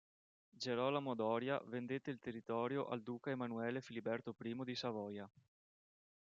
Gerolamo Doria vendette il territorio al duca Emanuele Filiberto I di Savoia.